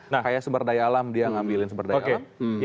nah kayak sumber daya alam dia ngambilin sumber daya alam